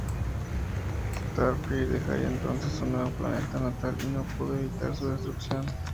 Starfire dejaría entonces su nuevo planeta natal y no pudo evitar su destrucción.